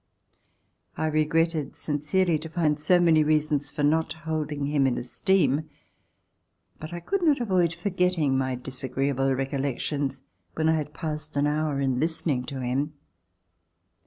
I regretted sincerely to find so many reasons for not holding him in esteem, but I could not avoid forgetting my disagreeable recollections when I had passed an hour in listening to him.